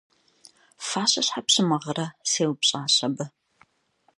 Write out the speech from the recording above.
– Фащэ щхьэ пщымыгърэ? – сеупщӀащ абы.